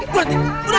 bu ranti bu ranti